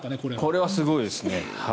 これはすごいですね。